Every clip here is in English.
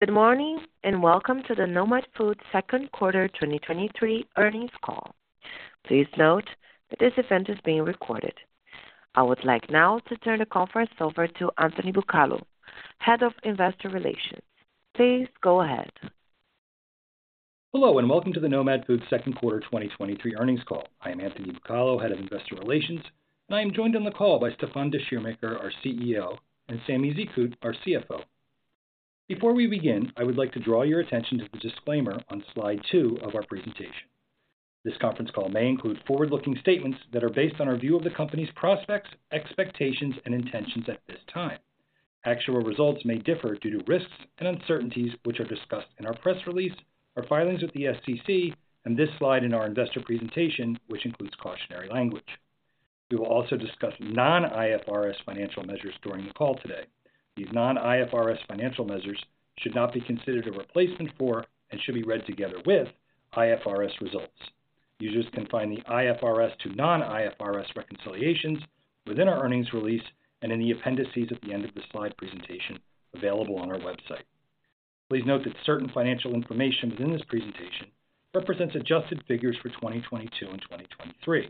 Good morning, welcome to the Nomad Foods second quarter 2023 earnings call. Please note that this event is being recorded. I would like now to turn the conference over to Anthony Bucalo, Head of Investor Relations. Please go ahead. Hello, and welcome to the Nomad Foods second quarter 2023 earnings call. I am Anthony Bucalo, Head of Investor Relations, and I am joined on the call by Stéfan Descheemaeker, our CEO, and Samy Zekhout, our CFO. Before we begin, I would like to draw your attention to the disclaimer on slide 2 of our presentation. This conference call may include forward-looking statements that are based on our view of the company's prospects, expectations, and intentions at this time. Actual results may differ due to risks and uncertainties, which are discussed in our press release, our filings with the SEC, and this slide in our investor presentation, which includes cautionary language. We will also discuss non-IFRS financial measures during the call today. These non-IFRS financial measures should not be considered a replacement for, and should be read together with, IFRS results. Users can find the IFRS to non-IFRS reconciliations within our earnings release and in the appendices at the end of the slide presentation available on our website. Please note that certain financial information within this presentation represents adjusted figures for 2022 and 2023.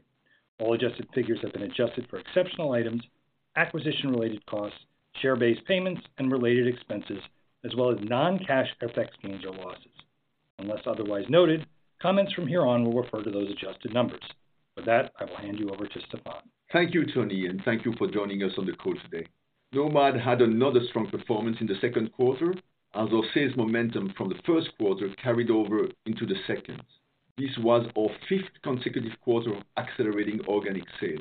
All adjusted figures have been adjusted for exceptional items, acquisition-related costs, share-based payments, and related expenses, as well as non-cash effect gains or losses. Unless otherwise noted, comments from here on will refer to those adjusted numbers. With that, I will hand you over to Stéfan. Thank you, Tony. Thank you for joining us on the call today. Nomad had another strong performance in the second quarter, as our sales momentum from the first quarter carried over into the second. This was our fifth consecutive quarter of accelerating organic sales.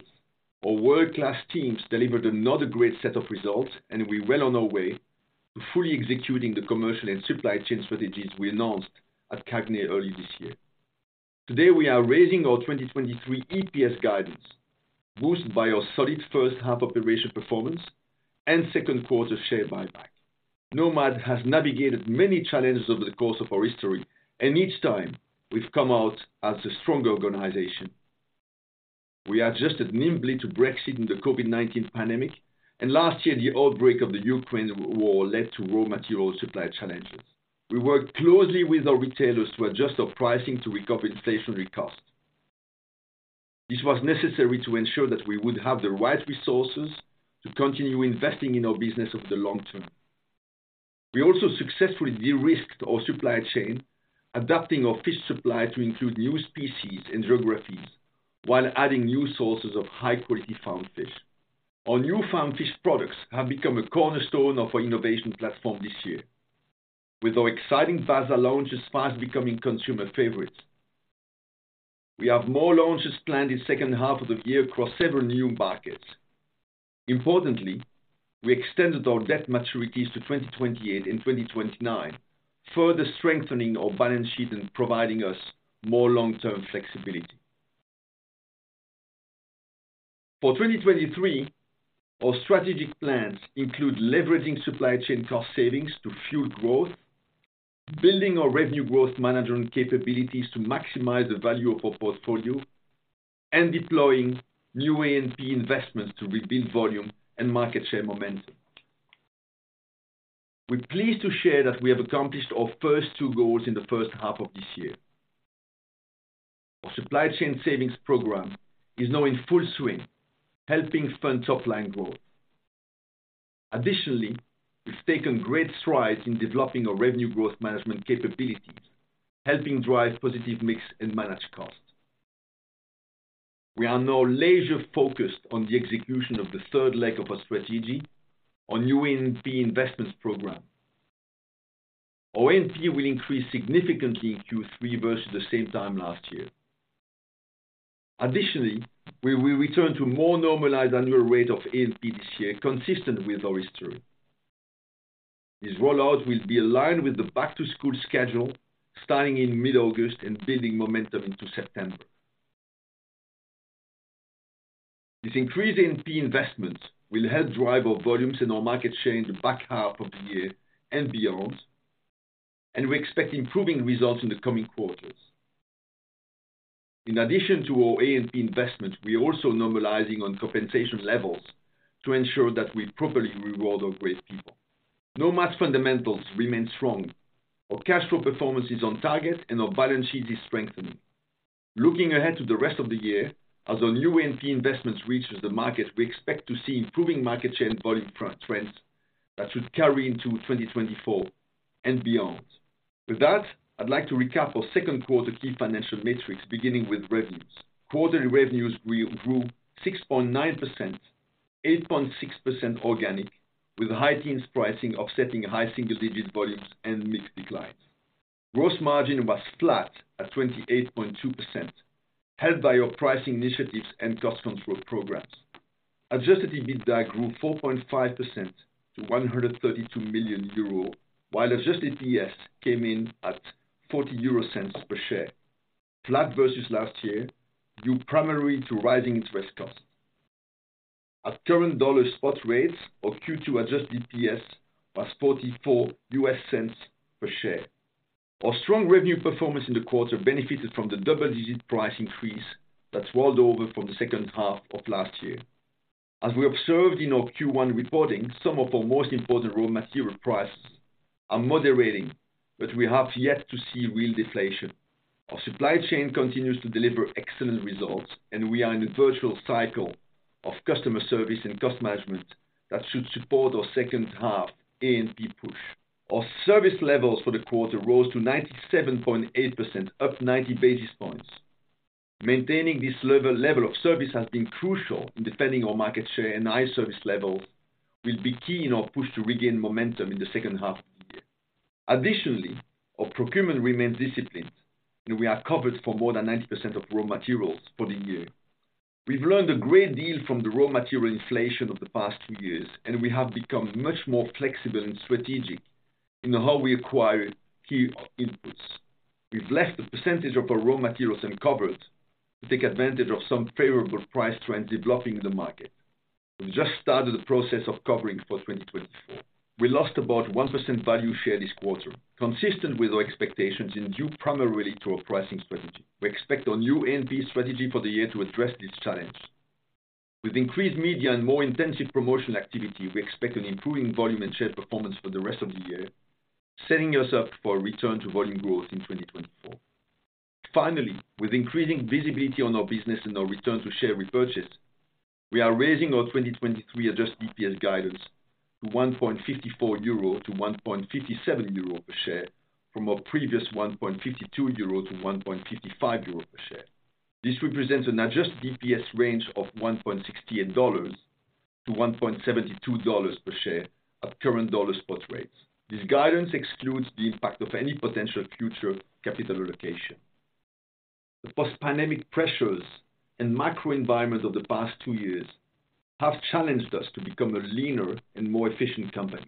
Our world-class teams delivered another great set of results, and we're well on our way to fully executing the commercial and supply chain strategies we announced at CAGNY early this year. Today, we are raising our 2023 EPS guidance, boosted by our solid first half operation performance and second quarter share buyback. Nomad has navigated many challenges over the course of our history, and each time we've come out as a stronger organization. We adjusted nimbly to Brexit and the COVID-19 pandemic, and last year, the outbreak of the Ukraine war led to raw material supply challenges. We worked closely with our retailers to adjust our pricing to recover inflationary costs. This was necessary to ensure that we would have the right resources to continue investing in our business over the long term. We also successfully de-risked our supply chain, adapting our fish supply to include new species and geographies, while adding new sources of high-quality farmed fish. Our new farmed fish products have become a cornerstone of our innovation platform this year, with our exciting Basa launches fast becoming consumer favorites. We have more launches planned in second half of the year across several new markets. Importantly, we extended our debt maturities to 2028 and 2029, further strengthening our balance sheet and providing us more long-term flexibility. For 2023, our strategic plans include leveraging supply chain cost savings to fuel growth, building our revenue growth management capabilities to maximize the value of our portfolio, and deploying new A&P investments to rebuild volume and market share momentum. We're pleased to share that we have accomplished our first two goals in the first half of this year. Our supply chain savings program is now in full swing, helping fund top-line growth. Additionally, we've taken great strides in developing our revenue growth management capabilities, helping drive positive mix and manage costs. We are now laser-focused on the execution of the third leg of our strategy, our new A&P investments program. Our A&P will increase significantly in Q3 versus the same time last year. Additionally, we will return to a more normalized annual rate of A&P this year, consistent with our history. This rollout will be aligned with the back-to-school schedule, starting in mid-August and building momentum into September. This increased A&P investment will help drive our volumes and our market share in the back half of the year and beyond. We expect improving results in the coming quarters. In addition to our A&P investment, we are also normalizing on compensation levels to ensure that we properly reward our great people. Nomad's fundamentals remain strong. Our cash flow performance is on target, and our balance sheet is strengthening. Looking ahead to the rest of the year, as our new A&P investment reaches the market, we expect to see improving market share and volume trends that should carry into 2024 and beyond. With that, I'd like to recap our second quarter key financial metrics, beginning with revenues. Quarterly revenues grew, grew 6.9%, 8.6% organic, with high-teens pricing offsetting high single-digit volumes and mix declines. Gross margin was flat at 28.2%, helped by our pricing initiatives and cost control programs. Adjusted EBITDA grew 4.5% to EUR 132 million, while adjusted EPS came in at 0.40 per share, flat versus last year, due primarily to rising interest costs. At current dollar spot rates, our Q2 adjusted EPS was $0.44 per share. Our strong revenue performance in the quarter benefited from the double-digit price increase that rolled over from the second half of last year. As we observed in our Q1 reporting, some of our most important raw material prices are moderating, but we have yet to see real deflation. Our supply chain continues to deliver excellent results, and we are in a virtual cycle of customer service and cost management that should support our second half A&P push. Our service levels for the quarter rose to 97.8%, up 90 basis points. Maintaining this level of service has been crucial in defending our market share, and high service levels will be key in our push to regain momentum in the second half of the year. Additionally, our procurement remains disciplined, and we are covered for more than 90% of raw materials for the year. We've learned a great deal from the raw material inflation of the past 2 years, and we have become much more flexible and strategic in how we acquire key inputs. We've left a percentage of our raw materials uncovered to take advantage of some favorable price trends developing in the market. We just started the process of covering for 2024. We lost about 1% value share this quarter, consistent with our expectations and due primarily to our pricing strategy. We expect our new A&P strategy for the year to address this challenge. With increased media and more intensive promotional activity, we expect an improving volume and share performance for the rest of the year, setting us up for a return to volume growth in 2024. Finally, with increasing visibility on our business and our return to share repurchase, we are raising our 2023 adjusted EPS guidance to 1.54-1.57 euro per share, from our previous 1.52-1.55 euro per share. This represents an adjusted EPS range of $1.68-$1.72 per share at current dollar spot rates. This guidance excludes the impact of any potential future capital allocation. The post-pandemic pressures and macro environment of the past two years have challenged us to become a leaner and more efficient company.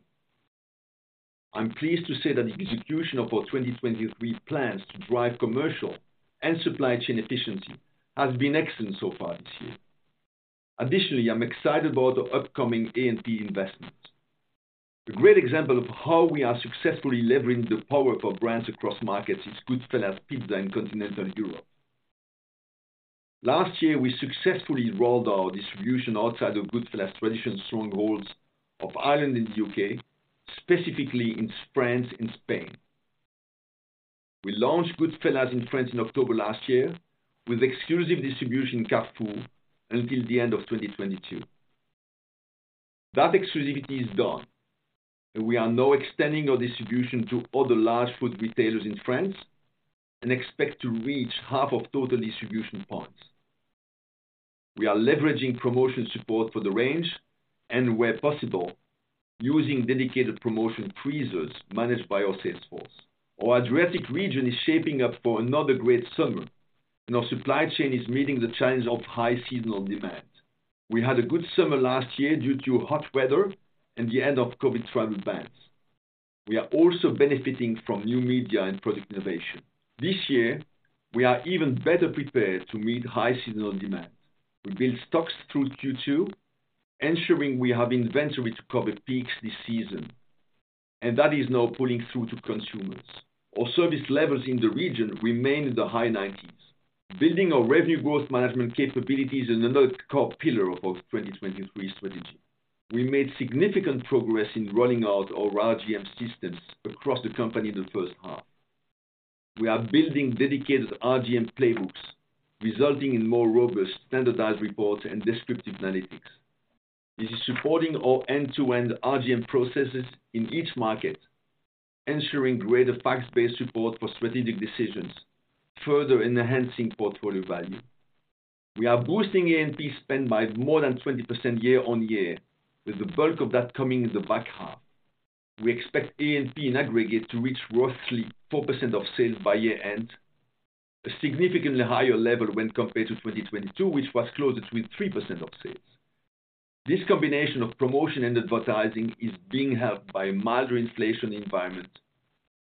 I'm pleased to say that the execution of our 2023 plans to drive commercial and supply chain efficiency has been excellent so far this year. Additionally, I'm excited about the upcoming A&P investment. A great example of how we are successfully leveraging the power of our brands across markets is Goodfella's Pizza in continental Europe. Last year, we successfully rolled out our distribution outside of Goodfella's traditional strongholds of Ireland and the UK, specifically in France and Spain. We launched Goodfella's in France in October last year with exclusive distribution in Carrefour until the end of 2022. That exclusivity is done. We are now extending our distribution to other large food retailers in France and expect to reach half of total distribution points. We are leveraging promotion support for the range and, where possible, using dedicated promotion freezers managed by our sales force. Our Adriatic region is shaping up for another great summer, and our supply chain is meeting the challenge of high seasonal demand. We had a good summer last year due to hot weather and the end of COVID-19 travel bans. We are also benefiting from new media and product innovation. This year, we are even better prepared to meet high seasonal demand. We built stocks through Q2, ensuring we have inventory to cover peaks this season, and that is now pulling through to consumers. Our service levels in the region remain in the high 90s. Building our revenue growth management capability is another core pillar of our 2023 strategy. We made significant progress in rolling out our RGM systems across the company in the first half. We are building dedicated RGM playbooks, resulting in more robust, standardized reports and descriptive analytics. This is supporting our end-to-end RGM processes in each market, ensuring greater facts-based support for strategic decisions, further enhancing portfolio value. We are boosting A&P spend by more than 20% year-on-year, with the bulk of that coming in the back half. We expect A&P in aggregate to reach roughly 4% of sales by year-end, a significantly higher level when compared to 2022, which was closer to 3% of sales. This combination of promotion and advertising is being helped by a milder inflation environment,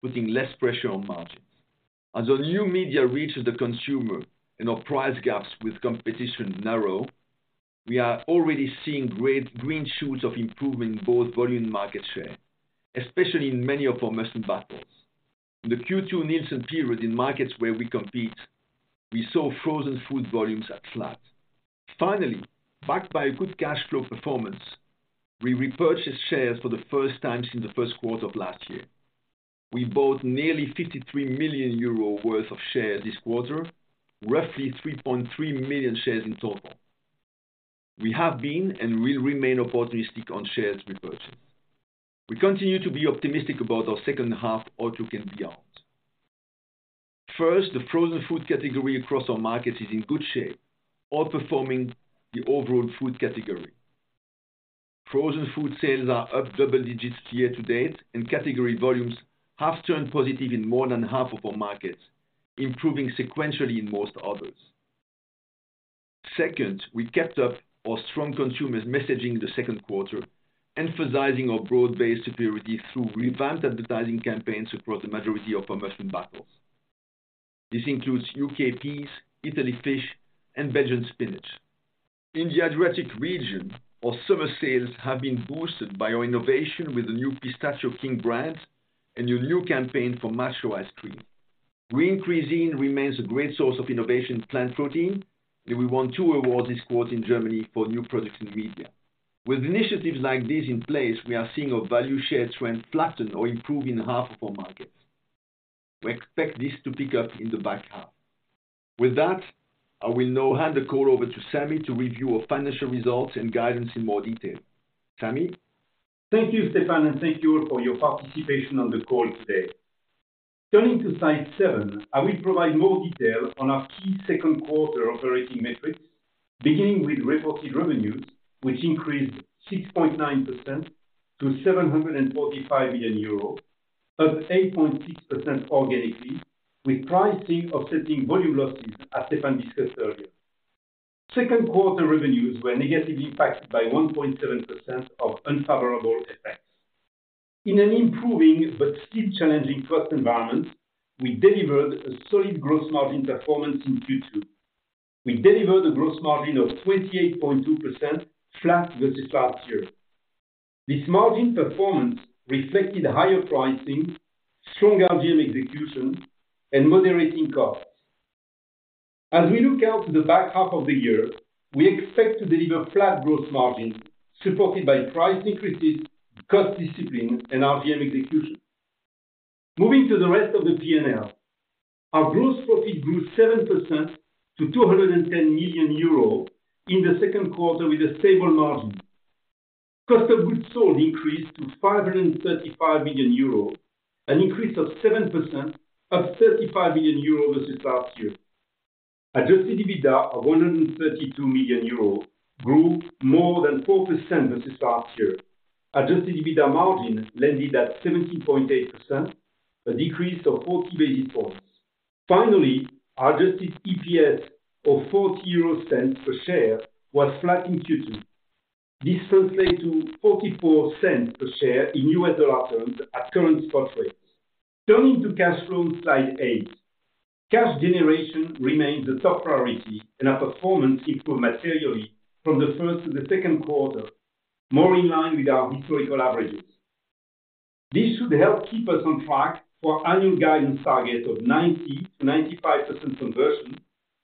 putting less pressure on margins. As our new media reaches the consumer and our price gaps with competition narrow, we are already seeing great green shoots of improvement in both volume and market share, especially in many of our must-win battles. In the Q2 Nielsen period in markets where we compete, we saw frozen food volumes at flat. Finally, backed by a good cash flow performance, we repurchased shares for the first time since the first quarter of last year. We bought nearly 53 million euro worth of shares this quarter, roughly 3.3 million shares in total. We have been and will remain opportunistic on shares repurchase. We continue to be optimistic about our second half outlook and beyond. First, the frozen food category across our markets is in good shape, outperforming the overall food category. Frozen food sales are up double digits year to date, and category volumes have turned positive in more than half of our markets, improving sequentially in most others. Second, we kept up our strong consumer messaging in the second quarter, emphasizing our broad-based superiority through revamped advertising campaigns across the majority of our must-win battles. This includes UK peas, Italy fish, and Belgian spinach. In the Adriatic region, our summer sales have been boosted by our innovation with the new pistachio King brands and your new campaign for Macho ice cream. Green Cuisine remains a great source of innovation in plant protein, and we won two awards this quarter in Germany for new products in media. With initiatives like these in place, we are seeing our value share trend flatten or improve in half of our markets. We expect this to pick up in the back half. With that, I will now hand the call over to Samy to review our financial results and guidance in more detail. Samy? Thank you, Stéfan, thank you all for your participation on the call today. Turning to slide 7, I will provide more detail on our key second quarter operating metrics, beginning with reported revenues, which increased 6.9% to 745 million euros, up 8.6% organically, with pricing offsetting volume losses, as Stéfan discussed earlier. Second quarter revenues were negatively impacted by 1.7% of unfavorable effects. In an improving but still challenging cost environment, we delivered a solid gross margin performance in Q2. We delivered a gross margin of 28.2%, flat versus last year. This margin performance reflected higher pricing, strong RGM execution, and moderating costs. As we look out to the back half of the year, we expect to deliver flat growth margins, supported by price increases, cost discipline, and RGM execution. Moving to the rest of the PNL. Our gross profit grew 7% to 210 million euros in the second quarter with a stable margin. Cost of goods sold increased to 535 million euros, an increase of 7%, up 35 million euros versus last year. Adjusted EBITDA of 132 million euros grew more than 4% versus last year. Adjusted EBITDA margin landed at 17.8%, a decrease of 40 basis points. Finally, adjusted EPS of 0.40 per share was flat in Q2. This translates to $0.44 per share in US dollar terms at current spot rates. Turning to cash flow, slide 8. Cash generation remains a top priority. Our performance improved materially from the first to the second quarter, more in line with our historical averages. This should help keep us on track for annual guidance target of 90%-95% conversion,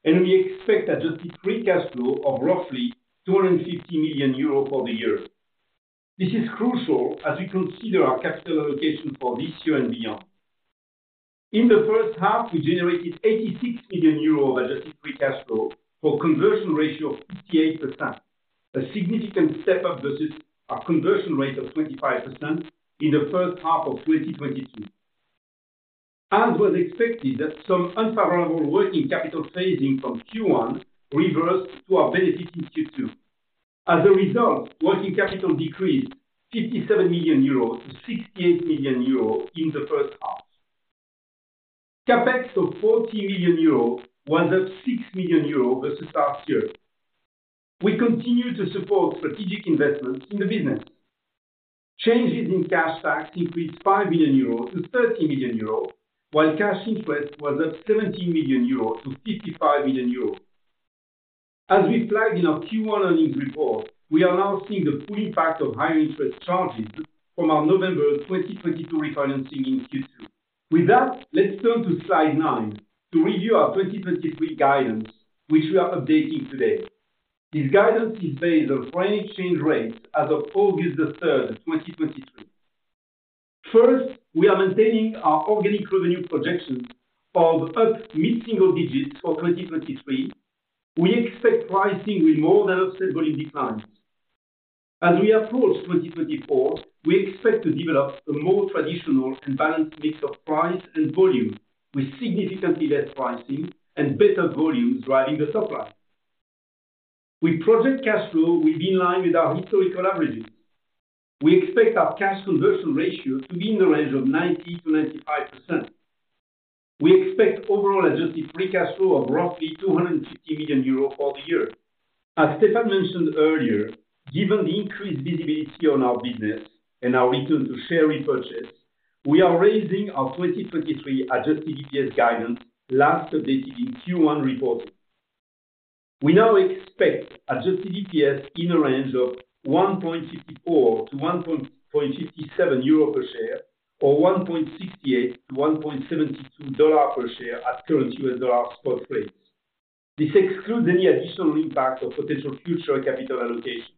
and we expect adjusted free cash flow of roughly 250 million euros for the year. This is crucial as we consider our capital allocation for this year and beyond. In the first half, we generated 86 million euros of adjusted free cash flow, for conversion ratio of 58%, a significant step up versus our conversion rate of 25% in the first half of 2022. As was expected, some unfavorable working capital phasing from Q1 reversed to our benefit in Q2. As a result, working capital decreased 57 million euros to 68 million euros in the first half. CapEx of 40 million euros was up 6 million euros versus last year. We continue to support strategic investments in the business. Changes in cash tax increased 5 million euros to 30 million euros, while cash interest was up 17 million euros to 55 million euros. As we flagged in our Q1 earnings report, we are now seeing the full impact of higher interest charges from our November 2022 refinancing in Q2. Let's turn to slide 9 to review our 2023 guidance, which we are updating today. This guidance is based on foreign exchange rates as of August the third, 2023. First, we are maintaining our organic revenue projections of up mid-single digits for 2023. We expect pricing will more than offset volume declines. As we approach 2024, we expect to develop a more traditional and balanced mix of price and volume, with significantly less pricing and better volume driving the top line. We project cash flow will be in line with our historical averages. We expect our cash conversion ratio to be in the range of 90%-95%. We expect overall adjusted free cash flow of roughly 250 million euros for the year. As Stéfan mentioned earlier, given the increased visibility on our business and our return to share repurchase, we are raising our 2023 adjusted EPS guidance, last updated in Q1 reporting. We now expect adjusted EPS in a range of 1.54-1.57 euro per share, or $1.68-$1.72 per share at current US dollar spot rates. This excludes any additional impact of potential future capital allocation.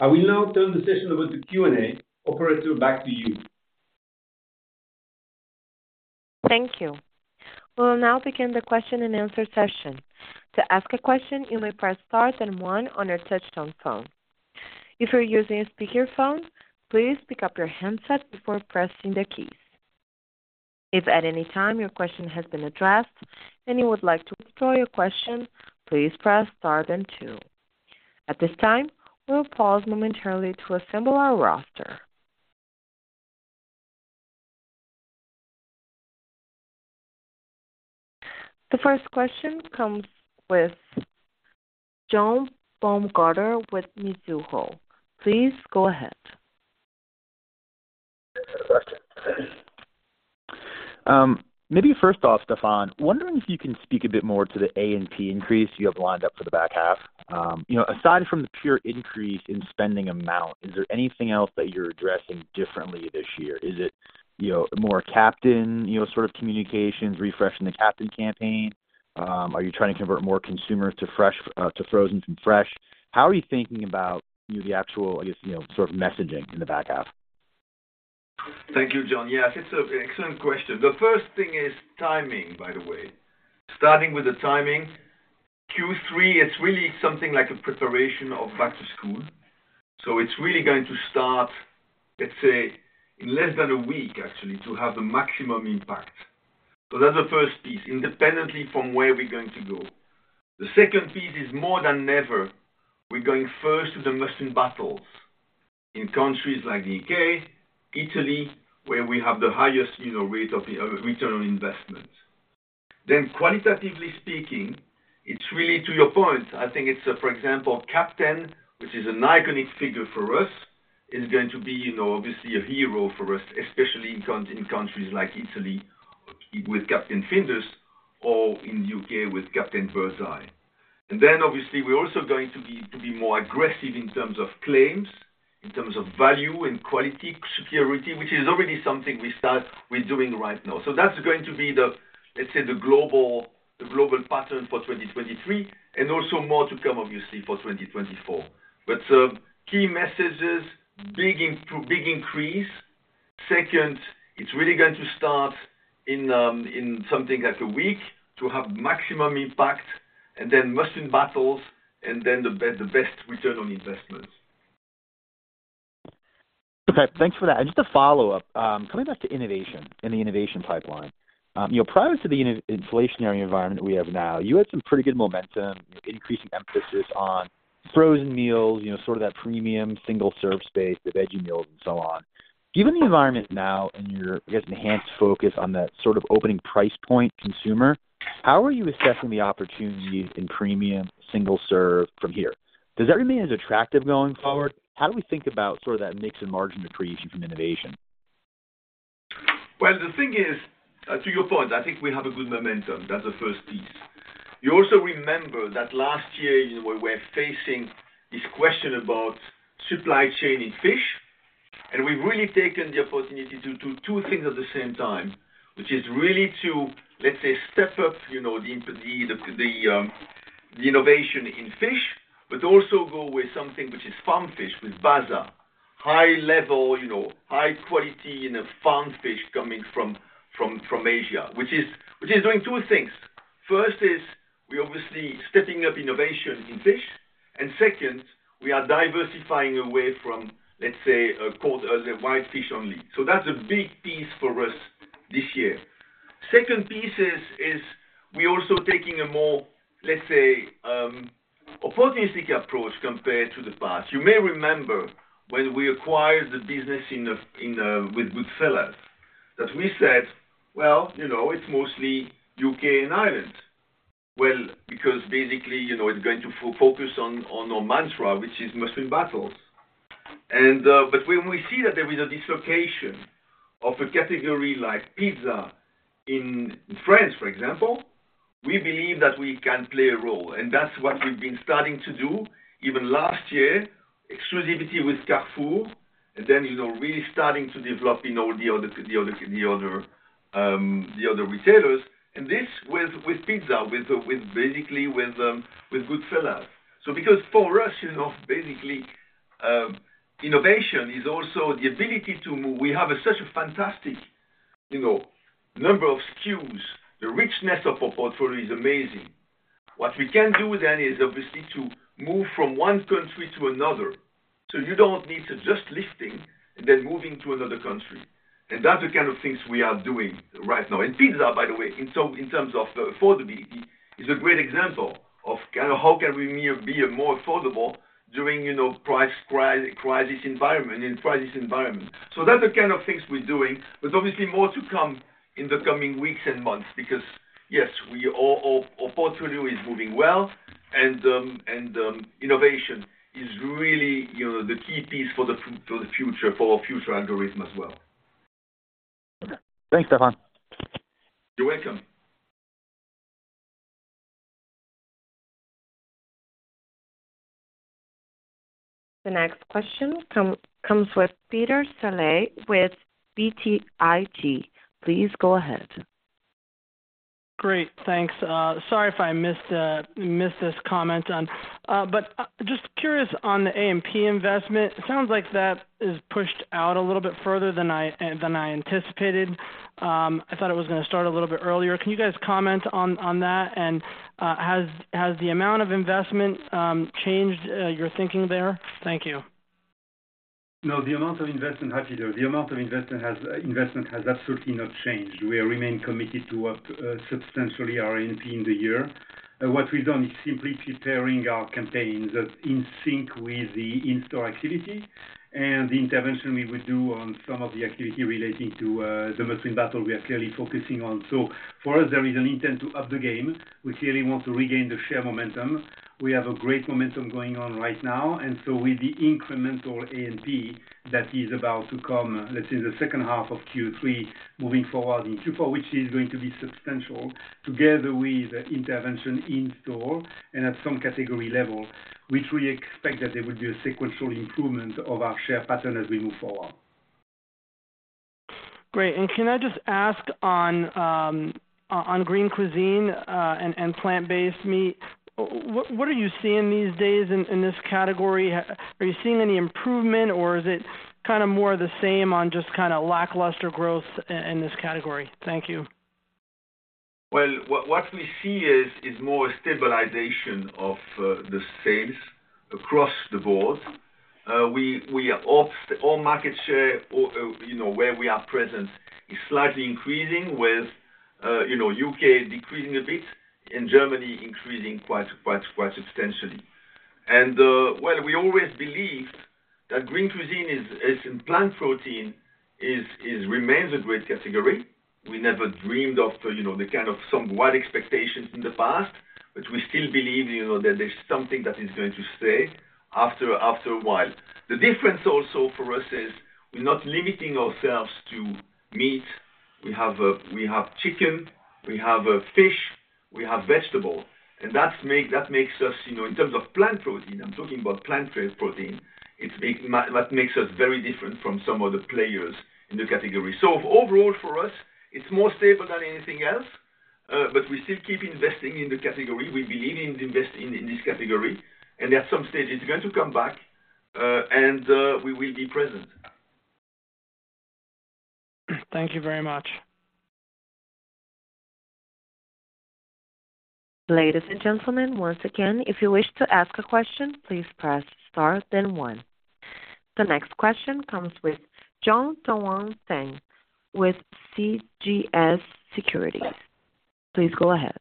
I will now turn the session over to Q&A. Operator, back to you. Thank you. We'll now begin the question and answer session. To ask a question, you may press Star and One on your touchtone phone. If you're using a speakerphone, please pick up your handset before pressing the keys. If at any time your question has been addressed and you would like to withdraw your question, please press Star then Two. At this time, we'll pause momentarily to assemble our roster. The first question comes with John Baumgartner with Mizuho. Please go ahead. Maybe first off, Stéfan, wondering if you can speak a bit more to the A&P increase you have lined up for the back half? You know, aside from the pure increase in spending amount, is there anything else that you're addressing differently this year? Is it, you know, more Captain, you know, sort of communications, refreshing the Captain campaign? Are you trying to convert more consumers to fresh, to frozen from fresh? How are you thinking about the actual, I guess, you know, sort of messaging in the back half? Thank you, John. Yes, it's an excellent question. The first thing is timing, by the way. Starting with the timing, Q3, it's really something like a preparation of back to school. It's really going to start, let's say, in less than a week, actually, to have the maximum impact. That's the first piece, independently from where we're going to go. The second piece is more than never, we're going first to the must-win battles in countries like the UK, Italy, where we have the highest rate of return on investment. Qualitatively speaking, it's really to your point, I think it's, for example, Captain, which is an iconic figure for us, is going to be, you know, obviously a hero for us, especially in countries like Italy, with Captain Findus or in the UK with Captain Birds Eye. Obviously, we're also going to be more aggressive in terms of claims, in terms of value and quality, security, which is already something we're doing right now. That's going to be the, let's say, the global, the global pattern for 2023, and also more to come, obviously, for 2024. The key message is big improve, big increase. Second, it's really going to start in something like a week to have maximum impact and then must-win battles and then the best, the best return on investment. Okay, thanks for that. Just a follow-up, coming back to innovation and the innovation pipeline. Prior to the inflationary environment we have now, you had some pretty good momentum, increasing emphasis on frozen meals, you know, sort of that premium single-serve space, the veggie meals and so on. Given the environment now and your enhanced focus on that sort of opening price point consumer, how are you assessing the opportunities in premium single-serve from here? Does that remain as attractive going forward? How do we think about sort of that mix and margin accretion from innovation? The thing is, to your point, I think we have a good momentum. That's the first piece. You also remember that last year we were facing this question about supply chain in fish, and we've really taken the opportunity to do two things at the same time, which is really to, let's say, step up the, the innovation in fish, but also go with something which is farm fish, with Basa. High level, you know, high quality in a farmed fish coming from, from, from Asia, which is, which is doing two things. First is we obviously stepping up innovation in fish, and second, we are diversifying away from, let's say, called the white fish only. That's a big piece for us this year. Second piece is, is we're also taking a more, let's say, opportunistic approach compared to the past. You may remember when we acquired the business in the, in the, with Goodfella's, that we said, "Well, you know, it's mostly UK and Ireland." Well, because basically, you know, it's going to focus on, on our mantra, which is must-win battles. But when we see that there is a dislocation of a category like pizza in France, for example, we believe that we can play a role, and that's what we've been starting to do. Even last year, exclusivity with Carrefour, and then, you know, really starting to develop, you know, the other, the other, the other, the other retailers. This with, with pizza, with, with basically with, with Goodfella's. Because for us, you know, basically, innovation is also the ability to move. We have such a fantastic, you know, number of SKUs. The richness of our portfolio is amazing. What we can do then is obviously to move from one country to another. You don't need to just listing and then moving to another country. That's the kind of things we are doing right now. Pizza, by the way, in so, in terms of affordability, is a great example of kind of how can we be more affordable during, you know, price crisis environment, in crisis environment. That's the kind of things we're doing. There's obviously more to come in the coming weeks and months because, yes, our portfolio is moving well, and, and innovation is really, you know, the key piece for the future, for our future algorithm as well. Thanks, Stéfan. You're welcome. The next question comes with Peter Saleh with BTIG. Please go ahead. Great, thanks. sorry if I missed, missed this comment on... Just curious on the A&P investment, it sounds like that is pushed out a little bit further than I, than I anticipated. I thought it was going to start a little bit earlier. Can you guys comment on, on that? Has, has the amount of investment, changed, your thinking there? Thank you. No, the amount of investment, hi, Peter. The amount of investment has absolutely not changed. We remain committed to what substantially our A&P in the year. What we've done is simply preparing our campaigns that's in sync with the in-store activity and the intervention we would do on some of the activity relating to the must-win battle we are clearly focusing on. For us, there is an intent to up the game. We clearly want to regain the share momentum. We have a great momentum going on right now, and so with the incremental A&P that is about to come, let's say, the second half of Q3 moving forward in Q4, which is going to be substantial, together with intervention in store and at some category level, which we expect that there will be a sequential improvement of our share pattern as we move forward.... Great. Can I just ask on, on Green Cuisine, and, and plant-based meat, what, what are you seeing these days in, in this category? Are you seeing any improvement, or is it kind of more the same on just kind of lackluster growth in this category? Thank you. Well, what, what we see is, is more a stabilization of the sales across the board. We, we are off all market share, or, you know, where we are present, is slightly increasing with, you know, UK decreasing a bit, and Germany increasing quite, quite, quite substantially. Well, we always believed that Green Cuisine is, is in plant protein, is, is remains a great category. We never dreamed of, you know, the kind of some wild expectations in the past, but we still believe, you know, that there's something that is going to stay after, after a while. The difference also for us is we're not limiting ourselves to meat. We have, we have chicken, we have fish, we have vegetable, and that makes us, you know, in terms of plant protein, I'm talking about plant-based protein. It's make... That makes us very different from some other players in the category. Overall for us, it's more stable than anything else, but we still keep investing in the category. We believe in investing in this category, and at some stage it's going to come back, and we will be present. Thank you very much. Ladies and gentlemen, once again, if you wish to ask a question, please press Star, then one. The next question comes with Jon Tanwanteng, with CJS Securities. Please go ahead.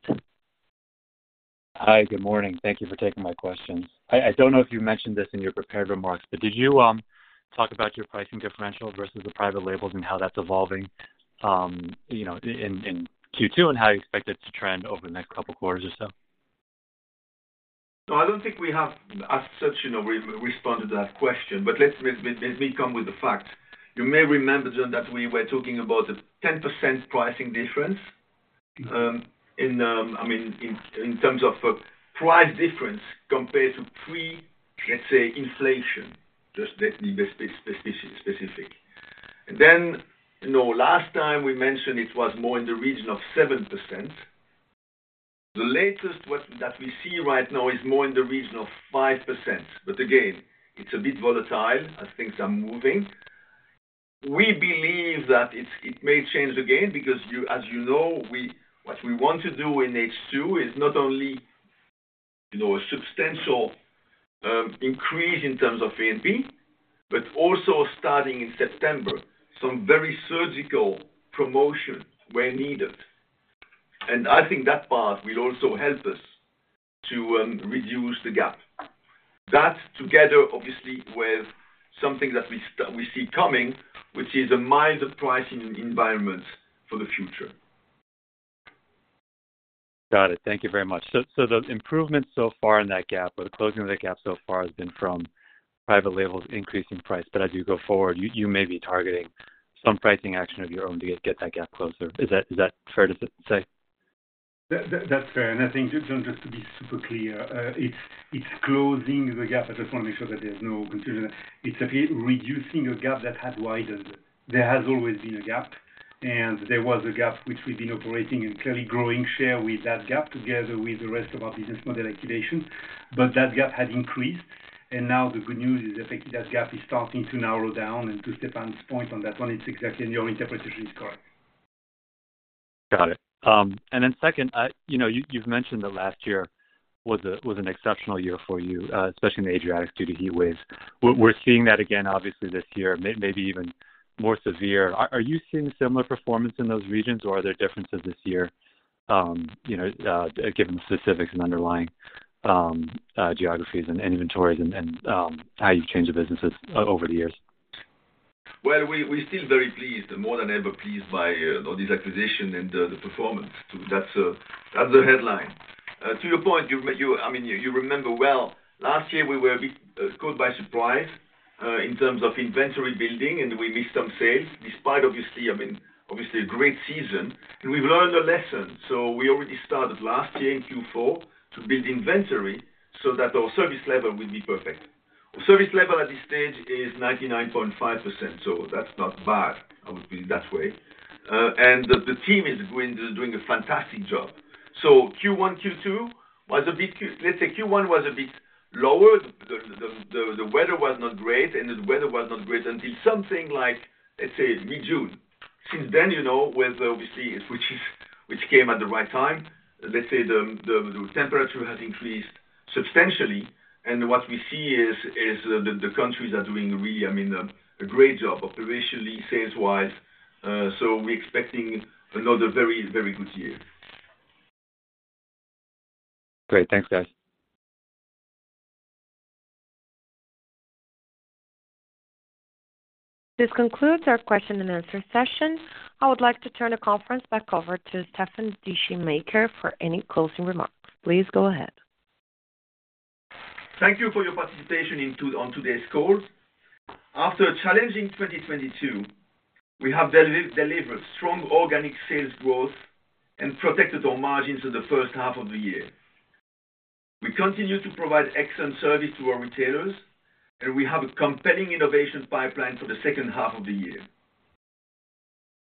Hi. Good morning. Thank you for taking my questions. I, I don't know if you mentioned this in your prepared remarks, but did you talk about your pricing differential versus the private labels and how that's evolving, you know, in Q2, and how you expect it to trend over the next couple quarters or so? No, I don't think we have as such, you know, re-responded to that question, but let me come with the facts. You may remember, John, that we were talking about a 10% pricing difference, I mean, in terms of price difference compared to pre, let's say, inflation, just let me be specific. Then, you know, last time we mentioned it was more in the region of 7%. The latest that we see right now is more in the region of 5%, but again, it's a bit volatile as things are moving. We believe that it may change again, because as you know, we, what we want to do in H2 is not only, you know, a substantial increase in terms of A&P, but also starting in September, some very surgical promotion where needed. I think that part will also help us to reduce the gap. That together, obviously, with something that we see coming, which is a milder pricing environment for the future. Got it. Thank you very much. The improvements so far in that gap, or the closing of the gap so far, has been from private labels increasing price, but as you go forward, you, you may be targeting some pricing action of your own to get, get that gap closer. Is that, is that fair to say? That, that, that's fair. I think, John, just to be super clear, it's, it's closing the gap. I just want to make sure that there's no confusion. It's reducing a gap that had widened. There has always been a gap. There was a gap which we've been operating and clearly growing share with that gap, together with the rest of our business model activations. That gap had increased. Now the good news is that, that gap is starting to narrow down. To Stéfan's point on that one, it's exactly. Your interpretation is correct. Got it. Then second, you know, you, you've mentioned that last year was a, was an exceptional year for you, especially in the Adriatics due to heat waves. We're, we're seeing that again, obviously, this year, maybe even more severe. Are, are you seeing similar performance in those regions, or are there differences this year, you know, given the specifics and underlying geographies and inventories and, and, how you've changed the businesses over the years? Well, we, we're still very pleased, more than ever pleased by this acquisition and the performance. That's, that's the headline. To your point, you, you, I mean, you remember well, last year we were a bit caught by surprise in terms of inventory building, and we missed some sales, despite obviously, I mean, obviously a great season, and we've learned a lesson. We already started last year in Q4 to build inventory so that our service level will be perfect. Our service level at this stage is 99.5%, so that's not bad. I would put it that way. The, the team is doing, doing a fantastic job. Q1, Q2, was a big. Let's say Q1 was a bit lower. The weather was not great, and the weather was not great until something like, let's say, mid-June. Since then, you know, weather obviously, which came at the right time. Let's say the temperature has increased substantially, and what we see is the countries are doing really, I mean, a, a great job operationally, sales-wise. We're expecting another very, very good year. Great. Thanks, guys. This concludes our question and answer session. I would like to turn the conference back over to Stéfan Descheemaeker for any closing remarks. Please go ahead. Thank you for your participation on today's call. After a challenging 2022, we have delivered strong organic sales growth and protected our margins in the first half of the year. We continue to provide excellent service to our retailers. We have a compelling innovation pipeline for the second half of the year.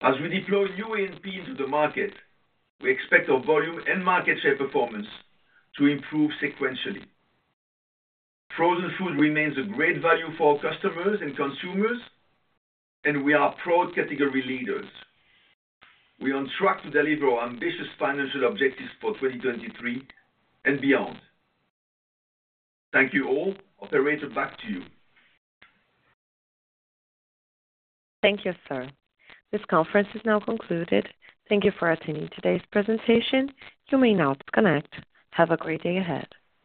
As we deploy new A&P into the market, we expect our volume and market share performance to improve sequentially. Frozen food remains a great value for our customers and consumers, and we are proud category leaders. We are on track to deliver our ambitious financial objectives for 2023 and beyond. Thank you all. Operator, back to you. Thank you, sir. This conference is now concluded. Thank you for attending today's presentation. You may now disconnect. Have a great day ahead.